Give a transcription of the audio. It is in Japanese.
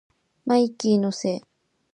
マイキーのせい